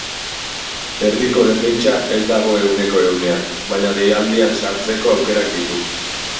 Erdiko defentsa ez dago ehuneko ehunean, baina deialdian sartzeko aukerak ditu.